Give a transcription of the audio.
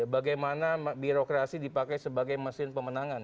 bagaimana birokrasi dipakai sebagai mesin pemenangan